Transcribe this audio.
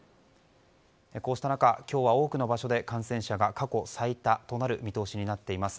こうした中、今日は多くの場所で感染者が過去最多となる見通しになっています。